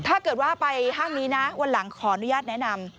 ถ้าเกิดว่าไปห้างนี้นะวันหลังขออนุญาตแนะนำ